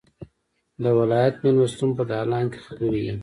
د ولایت مېلمستون په دالان کې خبرې وې.